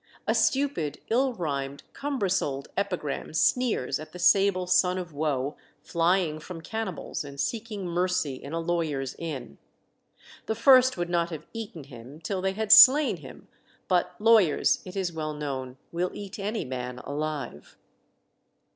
A stupid, ill rhymed, cumbrous old epigram sneers at the sable son of woe flying from cannibals and seeking mercy in a lawyers' inn. The first would not have eaten him till they had slain him; but lawyers, it is well known, will eat any man alive.